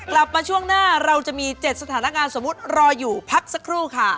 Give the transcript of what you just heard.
กลับมาช่วงหน้าเราจะมี๗สถานการณ์สมมุติรออยู่พักสักครู่ค่ะ